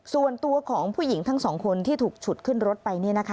ส่วนตัวของผู้หญิงทั้งสองคนที่ถูกฉุดขึ้นรถไป